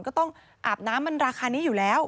ก็ต้องอาบน้ำมันราคานี้อยู่แล้ว